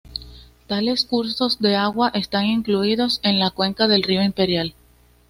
Tales cursos de agua están incluidos en la cuenca del río Imperial.